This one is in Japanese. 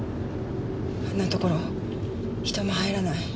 あんなところ人も入らない。